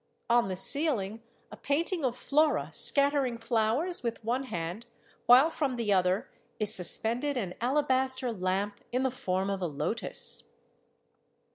On the ceiling a painting of Flora scattering flowers with one hand, while from the other is suspended an alabaster lamp in the form of a lotus.